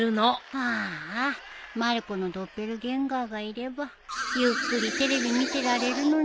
ああまる子のドッペルゲンガーがいればゆっくりテレビ見てられるのに。